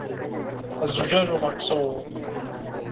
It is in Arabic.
الزَّجَّاجُ مَكْسُورٌ.